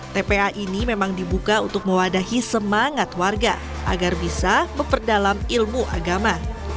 tpa ini memang dibuka untuk mewadahi semangat warga agar bisa memperdalam ilmu agama